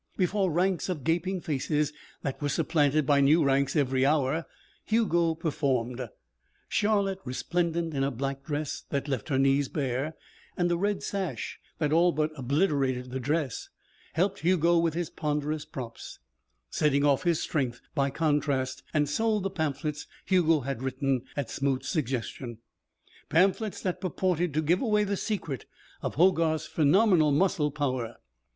Before ranks of gaping faces that were supplanted by new ranks every hour, Hugo performed. Charlotte, resplendent in a black dress that left her knees bare, and a red sash that all but obliterated the dress, helped Hugo with his ponderous props, setting off his strength by contrast, and sold the pamphlets Hugo had written at Smoots's suggestion pamphlets that purported to give away the secret of Hogarth's phenomenal muscle power.